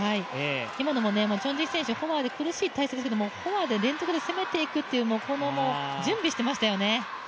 今のもチョン・ジヒ選手、フォアで苦しい体勢でしたけれども、フォアで連続で攻めていくという準備をしていましたよね。